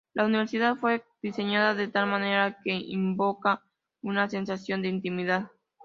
La universidad fue diseñada de tal manera que invoca una sensación de intimidad.